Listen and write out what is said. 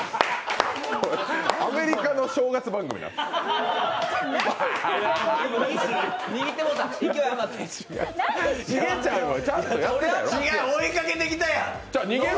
アメリカの正月番組なってる。